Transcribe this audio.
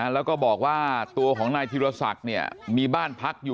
แล้วก็บอกว่าตัวของนายธิรศักดิ์มีบ้านพักอยู่